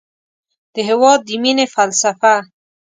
د هېواد د مینې فلسفه